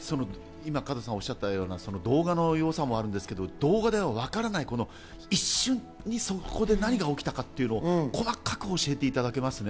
今、加藤さんがおっしゃったような動画の良さもあるんですけど、動画ではわからない一瞬、そこで何が起きたのか、細かく教えていただけますね。